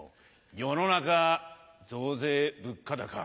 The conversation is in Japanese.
世の中増税物価高